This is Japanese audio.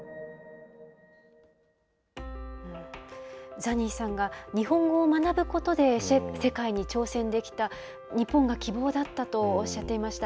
ザニーさんが日本語を学ぶことで世界に挑戦できた、日本が希望だったとおっしゃっていました。